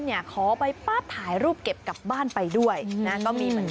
เนี่ยขอไปป้าหายรูปเก็บกลับบ้านไปด้วยนะมีเหมือนกัน